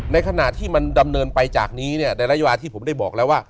ในขณะที่มันดำเนินไปจากนี้เนี่ยในระยะเวลาที่ผมได้บอกแล้วว่า